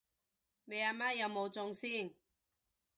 你阿媽有冇中先？